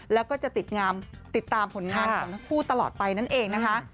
แล้วก็จะติดตามผลงานของทั้งคู่ตลอดไปนั่นเองนะคะ